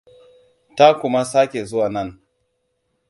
Ta kuma sake zuwa nan.